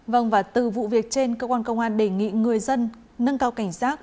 vâng và từ vụ việc trên cơ quan công an đề nghị người dân nâng cao cảnh giác